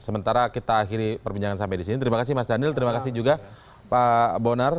sementara kita akhiri perbincangan sampai di sini terima kasih mas daniel terima kasih juga pak bonar